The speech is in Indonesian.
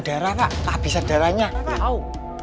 darah pak tak bisa darahnya tahu